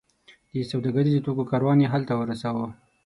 د سوداګریزو توکو کاروان یې هلته ورساوو.